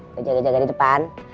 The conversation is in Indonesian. gue jaga jaga di depan